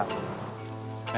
bisa kena ganti motor